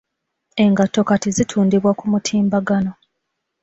Engato kati zitundibwa ku mutimbagano.